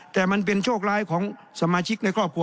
แต่มันเป็นโชคร้ายของสมาชิกในครอบครัว